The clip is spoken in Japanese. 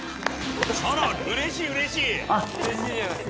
うれしいうれしい。